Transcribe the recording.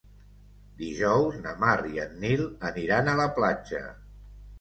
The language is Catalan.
Dijous na Mar i en Nil aniran a la platja.